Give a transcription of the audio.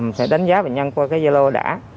mình sẽ đánh giá bệnh nhân qua cái gia lô đã